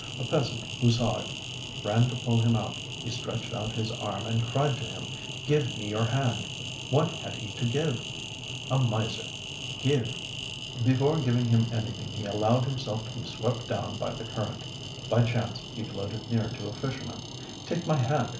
A peasant who saw it, ran to pull him out; he stretched out his arm, and cried to him, 'Give me your hand!' What had he to give? A miser give! Before giving him anything he allowed himself to be swept down by the current. By chance he floated near to a fisherman: 'Take my hand!'